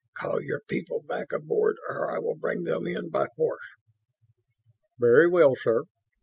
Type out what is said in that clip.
Call your people back aboard or I will bring them in by force!" "Very well, sir.